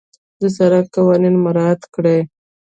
د سړک قوانين مراعت کړه.